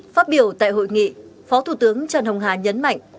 phát biểu tại hội nghị phó thủ tướng trần hồng hà nhấn mạnh